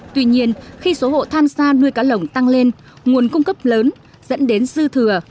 tuy nhiên khi số hộ tham gia nuôi cá lồng tăng lên nguồn cung cấp lớn dẫn đến dư thừa